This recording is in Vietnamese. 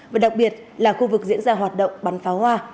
và đặc biệt là khu vực diễn ra hoạt động bắn pháo hoa